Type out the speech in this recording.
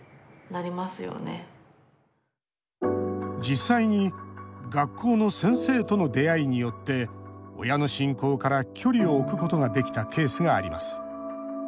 実際に学校の先生との出会いによって親の信仰から距離を置くことができたケースがあります。